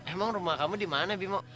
emang rumah kamu di mana bimo